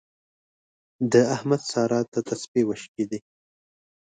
د احمد سارا ته تسپې وشکېدې.